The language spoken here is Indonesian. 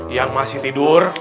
yang masih tidur